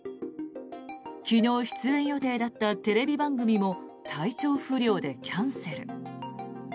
昨日出演予定だったテレビ番組も体調不良でキャンセル。